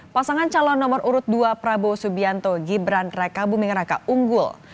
pasangan calon nomor urut dua prabowo subianto gibran raka buming raka unggul